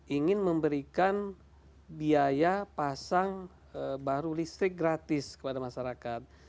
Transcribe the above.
ingin memberikan biaya pasang baru listrik gratis kepada masyarakat